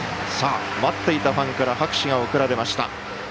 待っていたファンから拍手が送られました。